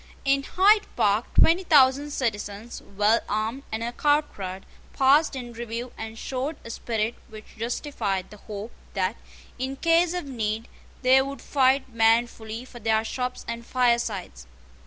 In Hyde Park twenty thousand citizens, well armed and accoutred, passed in review, and showed a spirit which justified the hope that, in case of need, they would fight manfully for their shops and firesides.